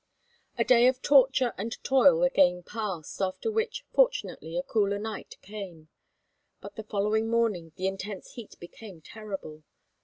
A day of torture and toil again passed, after which, fortunately, a cooler night came. But the following morning the intense heat became terrible.